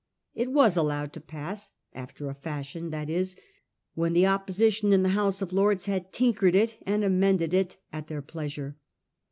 It was allowed to pass, after a fashion ; that is, when the Opposition in the House of Lords had tinkered it and amended it at their pleasure.